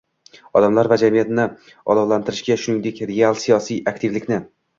odamlar va jamiyatni olovlantirishga shuningdek real siyosiy aktivlikni